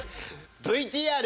ＶＴＲ。